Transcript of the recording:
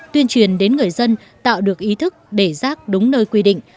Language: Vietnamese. tuyên truyền đến người dân tạo được ý thức để rác đúng nơi quy định